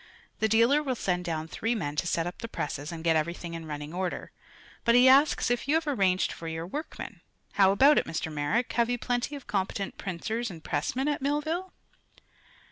The dealer will send down three men to set up the presses and get everything in running order. But he asks if you have arranged for your workmen. How about it, Mr. Merrick? have you plenty of competent printers and pressmen at Millville?"